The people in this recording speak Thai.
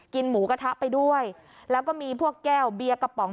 หมูกระทะไปด้วยแล้วก็มีพวกแก้วเบียร์กระป๋อง